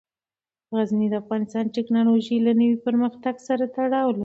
غزني د افغانستان د تکنالوژۍ له نوي پرمختګ سره تړاو لري.